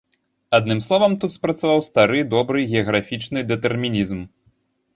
Адным словам, тут спрацаваў стары добры геаграфічны дэтэрмінізм.